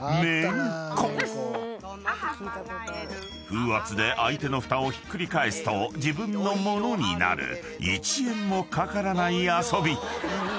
［風圧で相手のフタをひっくり返すと自分の物になる１円もかからない遊び］